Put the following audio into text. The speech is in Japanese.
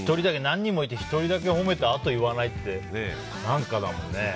何人もいて１人だけ褒めてあと言わないって何かだもんね。